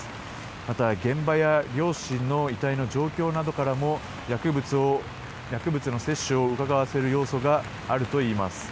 また、現場や両親の遺体の状況などからも薬物の摂取をうかがわせる要素があるといいます。